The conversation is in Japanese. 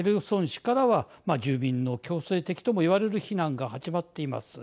市からは住民の強制的ともいわれる避難が始まっています。